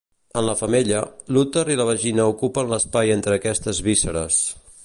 En la femella, l'úter i la vagina ocupen l'espai entre aquestes vísceres.